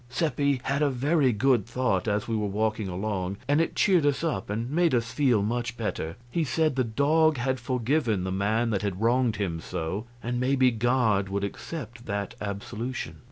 Seppi had a very good thought as we were walking along, and it cheered us up and made us feel much better. He said the dog had forgiven the man that had wronged him so, and maybe God would accept that absolution.